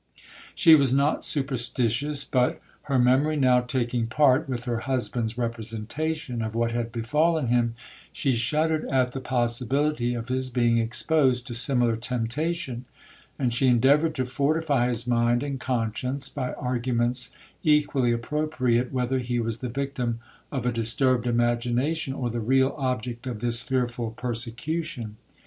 She was not superstitious,—but, her memory now taking part with her husband's representation of what had befallen him, she shuddered at the possibility of his being exposed to similar temptation; and she endeavoured to fortify his mind and conscience, by arguments equally appropriate whether he was the victim of a disturbed imagination, or the real object of this fearful persecution.